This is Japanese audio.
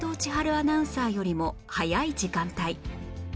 アナウンサーよりも早い時間帯